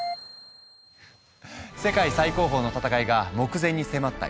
世界最高峰の戦いが目前に迫った